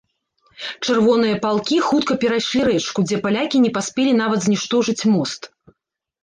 Чырвоныя палкі хутка перайшлі рэчку, дзе палякі не паспелі нават зніштожыць мост.